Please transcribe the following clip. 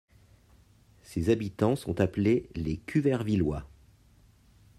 Ses habitants sont appelés les Cuvervillois.